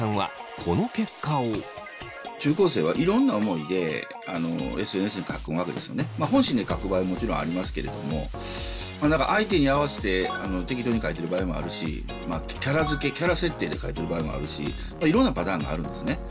中高生は本心で書く場合もちろんありますけれども相手に合わせて適当に書いてる場合もあるしキャラ付けキャラ設定で書いてる場合もあるしいろんなパターンがあるんですね。